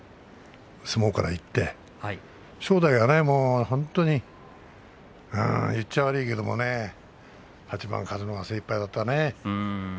相撲から言って正代がもう本当にね言っちゃ悪いけど８番勝つのが精いっぱいだったね。